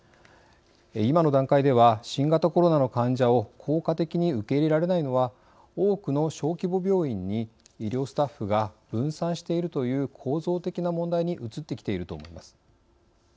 今の段階では新型コロナの患者を効果的に受け入れられないのは多くの小規模病院に医療スタッフが分散しているという構造的な問題に移ってきていると思います。